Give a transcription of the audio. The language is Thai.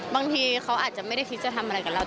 บางทีเขาอาจจะไม่ได้คิดจะทำอะไรกับเรา